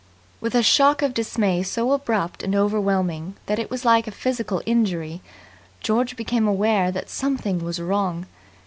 With a shock of dismay so abrupt and overwhelming that it was like a physical injury, George became aware that something was wrong.